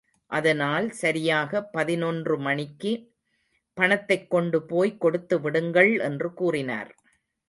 அதனால் சரியாக பதினொன்று மணிக்கு, பணத்தைக் கொண்டு போய் கொடுத்துவிடுங்கள் என்று கூறினார்.